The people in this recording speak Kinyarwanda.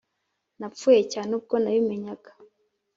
napfuye cyane ubwo nabimenyaga;